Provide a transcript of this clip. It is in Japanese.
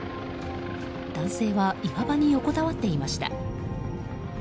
男性は岩場に横たわっていました。